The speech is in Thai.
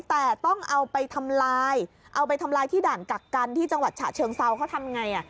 แต่ต้องเอาไปทำลายเอาไปทำลายที่ด่านกักกันที่จังหวัดฉะเชิงเซาเขาทำไง